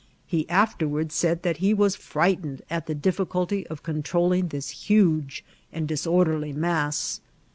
He afterward said that he was frightened at the diffi* cuhy of controlling this huge and disorderly mass.